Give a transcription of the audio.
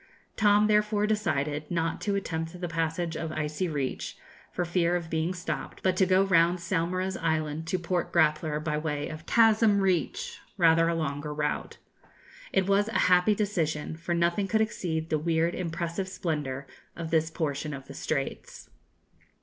Tom therefore decided not to attempt the passage of Icy Reach, for fear of being stopped, but to go round Saumarez Island to Port Grappler by way of Chasm Reach, rather a longer route. It was a happy decision; for nothing could exceed the weird impressive splendour of this portion of the Straits.